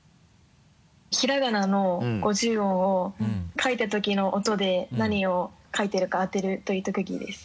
ひらがなの五十音を書いたときの音で何を書いてるか当てるという特技です。